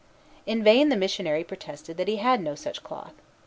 In vain the missionary protested that he had no such cloth.